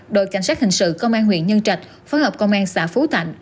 đội cảnh sát hình sự công an huyện nhân trạch phối hợp công an xã phú thạnh